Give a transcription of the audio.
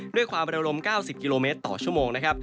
ด้วยความเร็วลม๙๐กิโลเมตรต่อชั่วโมงนะครับ